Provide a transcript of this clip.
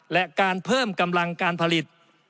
และการเพิ่มกำลังการผลิต